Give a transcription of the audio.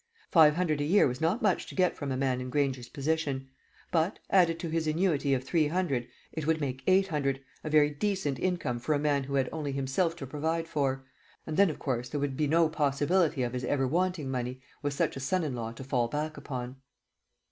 Five hundred a year was not much to get from a man in Granger's position; but, added to his annuity of three hundred, it would make eight a very decent income for a man who had only himself to provide for; and then of course there would be no possibility of his ever wanting money, with such a son in law to fall back upon.